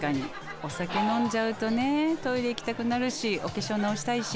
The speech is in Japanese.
お酒飲んじゃうとねトイレ行きたくなるしお化粧直したいし。